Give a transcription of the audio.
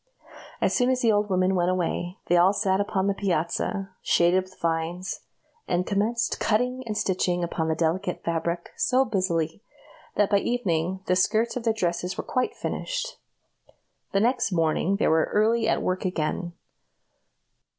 As soon as the old woman went away, they all sat upon the piazza, shaded with vines, and commenced cutting and stitching upon the delicate fabric so busily, that by evening the skirts of their dresses were quite finished. The next morning they were early at work again.